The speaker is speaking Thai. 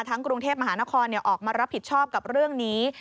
กรุงเทพมหานครออกมารับผิดชอบกับเรื่องนี้